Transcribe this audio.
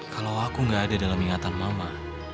kalau aku nggak ada dalam ingatan mama